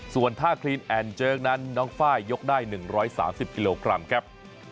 ส่วนท่าครีนแอนเจิกนั้นน้องไฟล์ยกได้๑๓๐กิโลกรัมครับ